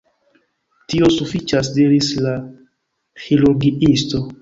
Tio sufiĉas, diris la ĥirurgiisto.